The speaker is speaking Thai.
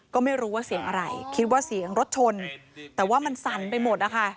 ก็ไม่รู้ว่าเสียงอะไรคิดว่าเสียงรถชนแต่ว่ามันสั่นไปหมดนะคะ